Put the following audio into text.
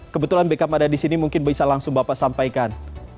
kebetulan beckham ada di sini mungkin bisa langsung bapak sampaikan